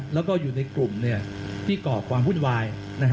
แล้วก็อยู่ในกลุ่มที่ก่อความวุ่นวาย